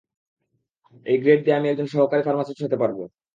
এই গ্রেড দিয়ে আমি একজন সহকারী ফার্মাসিস্ট হতে পারব।